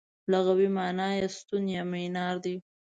لغوي مانا یې ستون یا مینار دی.